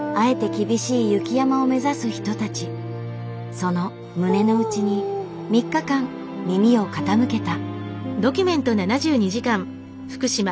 その胸の内に３日間耳を傾けた。